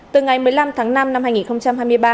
từ ngày một mươi năm tháng năm năm hai nghìn hai mươi ba